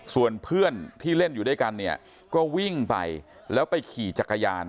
ส่วนเพื่อนที่เล่นอยู่ด้วยกันเนี่ยก็วิ่งไปแล้วไปขี่จักรยาน